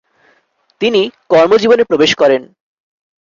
তিনি কর্মজীবনে প্রবেশ করেন।